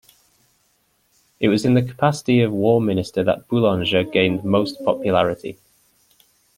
It was in the capacity of War Minister that Boulanger gained most popularity.